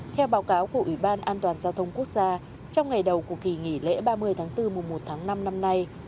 theo báo cáo của ủy ban an toàn giao thông quốc gia trong ngày đầu của kỳ nghỉ lễ ba mươi tháng bốn mùa một tháng năm năm nay